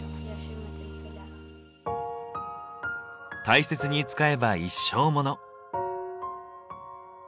大切に使えば一生モノ。